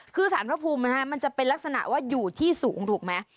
คือสารพระภูมิมันจะเป็นลักษณะว่าอยู่ที่สูงถูกไหม